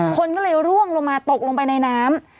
คนก็เลยร่วงลงมาตกลงไปในน้ำ